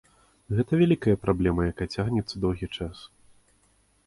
Гэта вялікая праблема, якая цягнецца доўгі час.